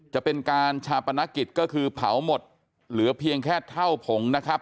จะเป็นการชาปนกิจก็คือเผาหมดเหลือเพียงแค่เท่าผงนะครับ